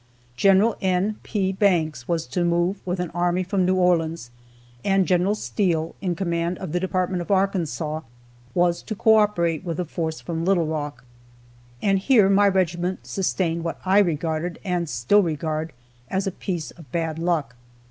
Gen. N. P. Banks was to move with an army from New Orleans, and Gen. Steele, in command of the Department of Arkansas, was to co operate with a force from Little Rock. And here my regiment sustained what I regarded, and still regard, as a piece of bad luck.